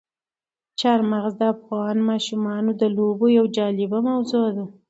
چار مغز د افغان ماشومانو د لوبو یوه جالبه موضوع ده.